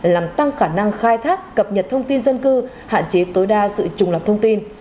làm tăng khả năng khai thác cập nhật thông tin dân cư hạn chế tối đa sự trùng lập thông tin